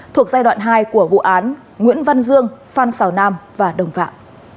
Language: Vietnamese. thuộc giai đoạn hai của vụ án nguyễn văn dương phan xào nam và đồng phạm